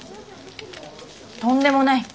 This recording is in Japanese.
とんでもない！